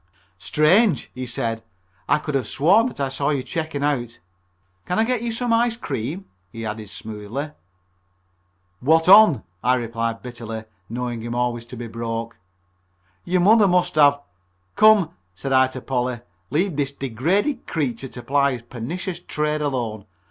"Strange!" he said, "I could have sworn that I saw you checking out. Can I get you some ice cream?" he added smoothly. "What on?" I replied bitterly, knowing him always to be broke. "Your mother must have " "Come," said I to Polly, "leave this degraded creature to ply his pernicious trade alone.